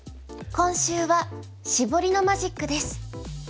今週は「シボリのマジック」です。